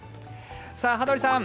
羽鳥さん